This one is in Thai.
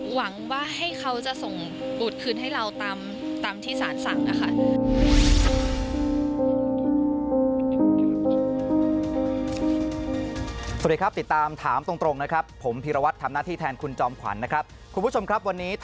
หวังว่าให้เขาจะส่งบุตรคืนให้เราตามที่สารสั่งนะคะ